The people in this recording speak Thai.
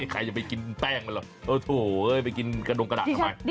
ใครจะไปกินแป้งมันเหรอโอ้โหไปกินกระดงกระดาษทำไม